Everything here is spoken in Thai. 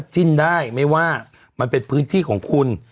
จิ้นได้ไม่ว่ามันเป็นพื้นที่ของคุณ